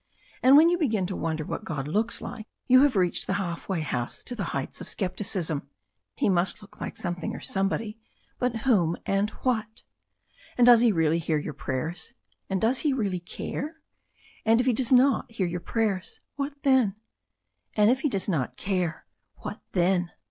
And when you begin to wonder what God looks like you have reached the half way house to the heights of scepticism. He must look like something or some body, but whom and what? And does he really hear your prayers, and does he really care? And if he does not hear your prayers, what then? And if he does not care, what then?